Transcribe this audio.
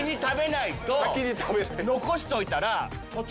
残しといたら。